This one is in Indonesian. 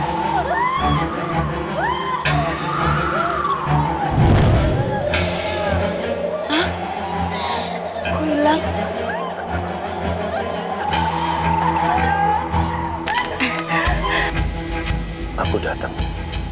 setelah bertahun tahun aku menunggu